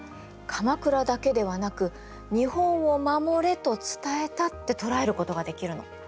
鎌倉だけではなく日本を守れと伝えたって捉えることができるの。